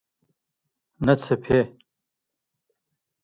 نه څپې